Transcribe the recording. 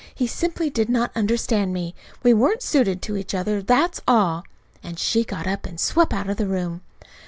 He simply did not understand me. We weren't suited to each other. That's all." And she got up and swept out of the room.